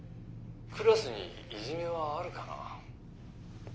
クラスにいじめはあるかな？